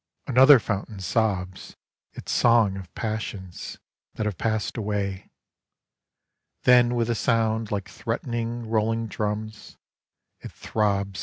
Another fountain sobs Its song of passions that have passed away. Then with a sound like threatening rolling drums, it throbs A